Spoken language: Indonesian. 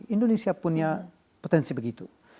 indonesia punya potensi begitu